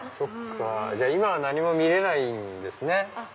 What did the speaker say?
じゃあ今は何も見れないんですね。